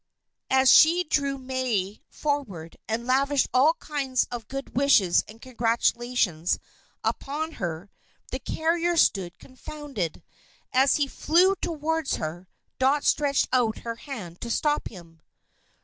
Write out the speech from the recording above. As she drew May forward and lavished all kinds of good wishes and congratulations upon her, the carrier stood confounded. As he flew towards her, Dot stretched out her hand to stop him.